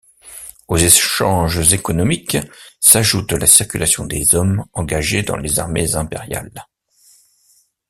Aux échanges économiques s'ajoute la circulation des hommes engagés dans les armées impériales.